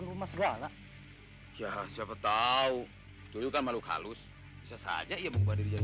rumah segala ya siapa tahu itu kan malu kalus bisa saja ya mengubah diri jadi